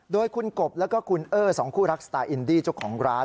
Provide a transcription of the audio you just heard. โดยคุณกบแล้วก็คุณเออสองคู่รักสไตลอินดี้เจ้าของร้าน